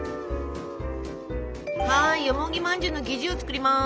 はいよもぎまんじゅうの生地を作ります。